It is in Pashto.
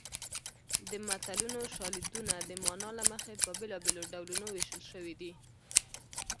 د متلونو شالیدونه د مانا له مخې په بېلابېلو ډولونو ویشل شوي دي